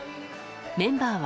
メンバーは。